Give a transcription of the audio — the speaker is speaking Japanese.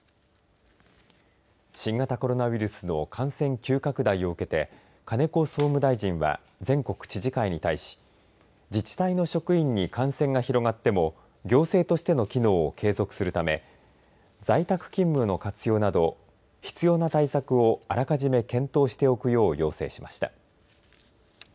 新型コロナウイルスの感染急拡大を受けて金子総務大臣は全国知事会に対し自治体の職員に感染が広がっても行政としての機能を継続するため在宅勤務の活用など必要な対策をあらかじめ検討しておくよう要請しました。